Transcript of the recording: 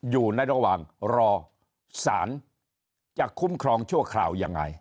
อยู่ในระหว่างรอสารจะคุ้มครองชั่วคราวยังไง